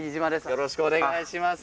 よろしくお願いします。